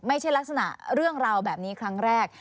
ไม่ใช่ลักษณะเรื่องราวแบบนี้ครั้งแรก